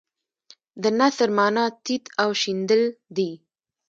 د نثر معنی تیت او شیندل دي.